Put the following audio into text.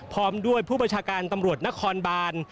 พร้อมด้วยผู้บัญชาการตำรวจนครบาน